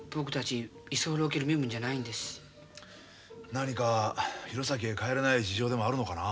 何か弘前へ帰れない事情でもあるのかな。